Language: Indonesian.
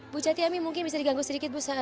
bu cat yami mungkin bisa diganggu sedikit bu